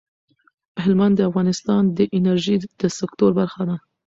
هلمند سیند د افغانستان د انرژۍ د سکتور برخه ده.